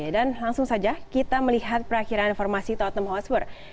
dan langsung saja kita melihat perakhiran formasi tottenham hotspur